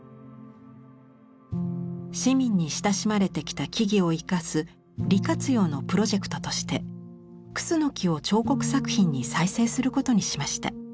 市民に親しまれてきた木々を生かす利活用のプロジェクトとしてクスノキを彫刻作品に再生することにしました。